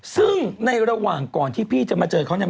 ซึ่งในระหว่างก่อนที่พี่จะมาเจอเขาเนี่ย